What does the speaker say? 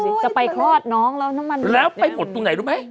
จะไปคลอดน้องแล้วน้ำมันแล้วไปบดตรงไหนรู้ไหม